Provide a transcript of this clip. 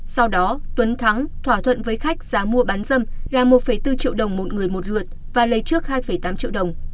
sau đó tuấn thắng thỏa thuận với khách giá mua bán dâm là một bốn triệu đồng một người một lượt và lấy trước hai tám triệu đồng